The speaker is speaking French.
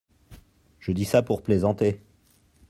Je dis ça pour plaisanter…